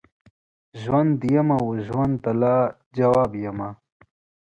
ژوند یمه وژوند ته لاجواب یمه